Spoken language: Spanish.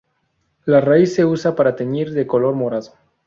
La raíz se usa para teñir de color morado".